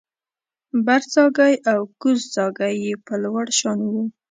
برڅاګی او کوزڅاګی یې په لوړ شان و